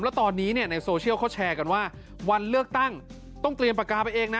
แล้วตอนนี้ในโซเชียลเขาแชร์กันว่าวันเลือกตั้งต้องเตรียมปากกาไปเองนะ